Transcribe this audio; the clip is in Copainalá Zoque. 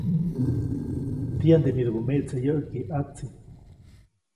Tiyande midubä meʼtse yäʼki ʼatsi.